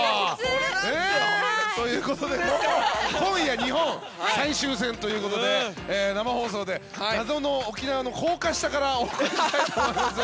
ということで、今夜日本、最終戦ということで生放送で謎の沖縄の高架下からお送りしたいと思います。